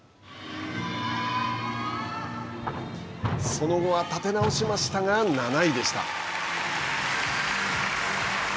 その後はたて直しましたが７位でした。